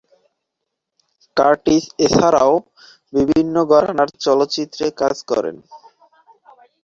Curtis এছাড়াও বিভিন্ন ঘরানার চলচ্চিত্রে কাজ করেন।